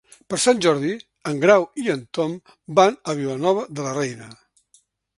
Per Sant Jordi en Grau i en Tom van a Vilanova de la Reina.